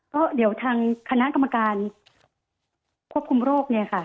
ก็เดี๋ยวทางคณะกรรมการควบคุมโรค